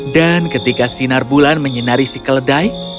dan ketika sinar bulan menyinari si keledai